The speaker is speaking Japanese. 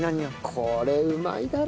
これうまいだろ！